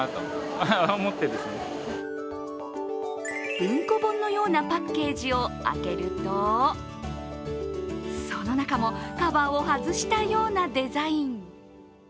文庫本のようなパッケージを開けると、その中もカバーを外したようなデザイン。